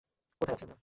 কোথায় আছি আমরা?